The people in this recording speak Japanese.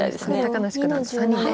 高梨九段と３人で。